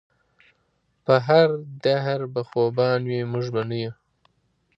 پۀ هر دهر به خوبان وي مونږ به نۀ يو